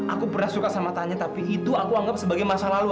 aku pernah suka sama tanya tapi itu aku anggap sebagai masa lalu